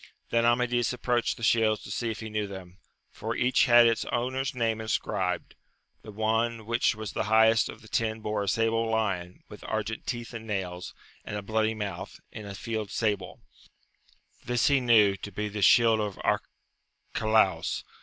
Then Amadis approached the shields to see if he knew them, for each had its owner's name inscribed; the one which was the highest of the ten bore a sable lion, with argent teeth and nails, and a bloody mouth, in a field sable : this he knew to be the shield of Arcalaus.